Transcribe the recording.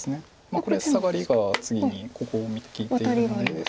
これサガリが次にここ見て利いているので。